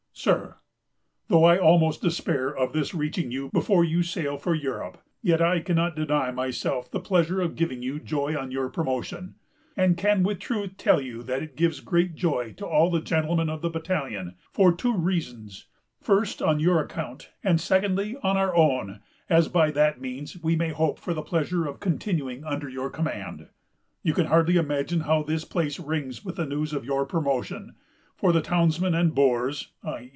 "Sir: "Though I almost despair of this reaching you before you sail for Europe, yet I cannot deny myself the pleasure of giving you joy on your promotion, and can with truth tell you that it gives great joy to all the gentlemen of the battalion, for two reasons: first, on your account; and, secondly, on our own, as by that means we may hope for the pleasure of continuing under your command. "You can hardly imagine how this place rings with the news of your promotion, for the townsmen and boors (_i.